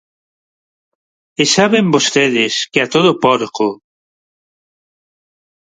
E saben vostedes que a todo porco...?